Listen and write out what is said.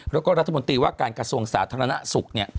แล้วก็รัฐมนตรีว่าการกระทรวงสาธารณสุข